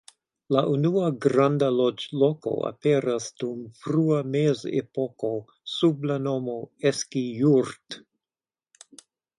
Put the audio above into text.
La unua granda loĝloko aperas dum frua mezepoko sub la nomo "Eski-Jurt".